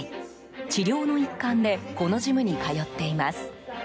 治療の一環でこのジムに通っています。